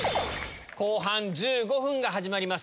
後半１５分が始まります。